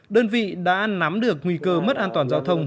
đơn vị đã nắm được nguy cơ mất an toàn giao thông